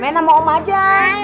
main sama omah aja